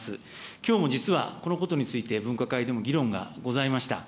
きょうも実はこのことについて、分科会でも議論がございました。